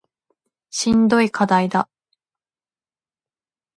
しんどい課題だ